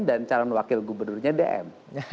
dan calon wakil gubernurnya dem